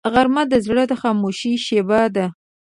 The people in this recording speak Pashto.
غرمه د زړه د خاموشۍ شیبه ده